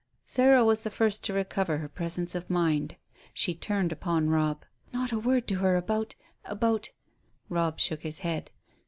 Sarah was the first to recover her presence of mind. She turned upon Robb. "Not a word to her about about " Robb shook his head.